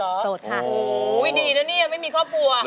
โอ้ยดีนะนี่ไม่มีครอบครัว